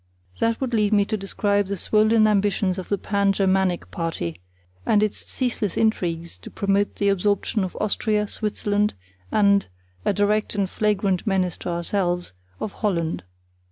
That would lead me to describe the swollen ambitions of the Pan Germanic party, and its ceaseless intrigues to promote the absorption of Austria, Switzerland, and—a direct and flagrant menace to ourselves—of Holland.